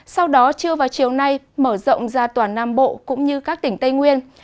sau đó trưa vào chiều nay mở rộng ra toàn nam bộ cũng như các tỉnh tây nguyên